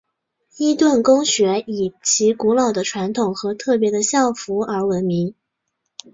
伊顿公学以其古老的传统和特别的校服而闻名。